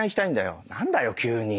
「何だよ急に。